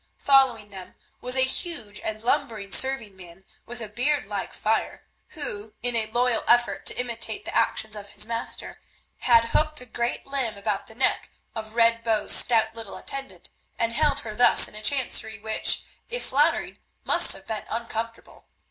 Following them was a huge and lumbering serving man with a beard like fire, who, in a loyal effort to imitate the actions of his master, had hooked a great limb about the neck of Red Bow's stout little attendant, and held her thus in a chancery which, if flattering, must have been uncomfortable.